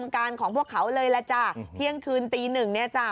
การของพวกเขาเลยล่ะจ้ะเที่ยงคืนตีหนึ่งเนี่ยจ้ะ